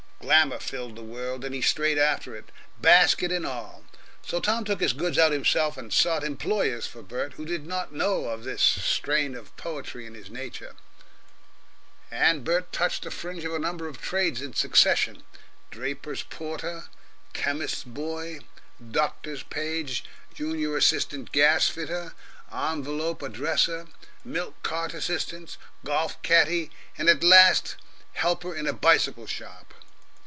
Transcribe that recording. Glamour filled the world, and he strayed after it, basket and all. So Tom took his goods out himself, and sought employers for Bert who did not know of this strain of poetry in his nature. And Bert touched the fringe of a number of trades in succession draper's porter, chemist's boy, doctor's page, junior assistant gas fitter, envelope addresser, milk cart assistant, golf caddie, and at last helper in a bicycle shop.